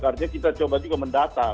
artinya kita coba juga mendata